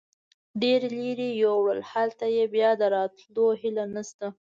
ډېر لرې یې یوړل، هلته چې بیا د راتلو هیله نشته.